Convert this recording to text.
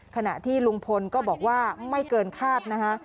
ขณะที่ลุงพลก็บอกว่าไม่เกินคาดนะคะ